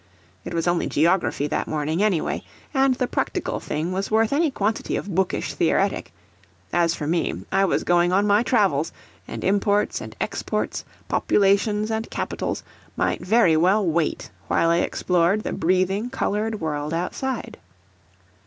It was only geography that morning, any way: and the practical thing was worth any quantity of bookish theoretic; as for me, I was going on my travels, and imports and exports, populations and capitals, might very well wait while I explored the breathing, coloured world outside.